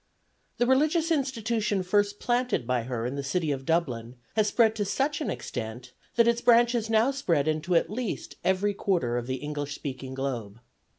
The religious institution first planted by her in the city of Dublin has spread to such an extent that its branches now spread into at least every quarter of the English speaking globe.